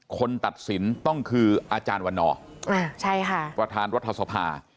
ตัดสินต้องคืออาจารย์วันนอร์ประธานรัฐสภา